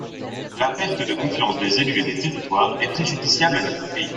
La perte de confiance des élus et des territoires est préjudiciable à notre pays.